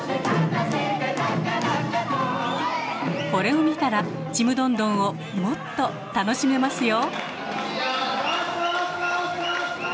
これを見たら「ちむどんどん」をもっと楽しめますよ！